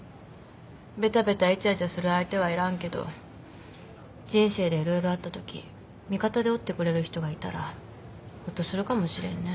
べたべたいちゃいちゃする相手はいらんけど人生でいろいろあったとき味方でおってくれる人がいたらほっとするかもしれんね。